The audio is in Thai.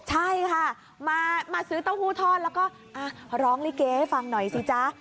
ใช่ค่ะมาซื้อเต้าหู้ทอดแล้วก็ร้องลิเกให้ฟังหน่อยสิจ๊ะ